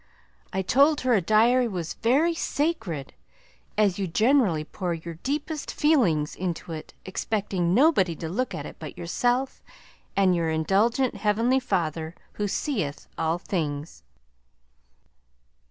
I told her a diary was very sacred as you generally poured your deepest feelings into it expecting nobody to look at it but yourself and your indulgent heavenly Father who seeeth all things.